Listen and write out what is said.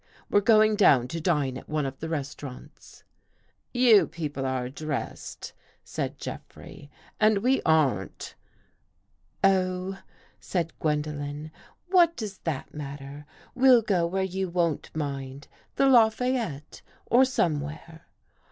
We're going down to dine at one of the restau rants." "You people are dressed," said Jeffrey, "and we aren't." "Oh," said Gwendolen, "what does that mat ter? We'll go where you won't mind — the La fayette or somewhere."